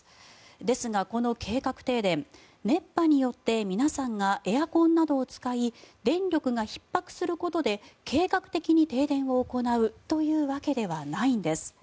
ですが、この計画停電熱波によって皆さんがエアコンなどを使い電力がひっ迫することで計画的に停電を行うというわけではないんです。